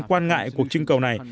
quan ngại cuộc chưng cầu này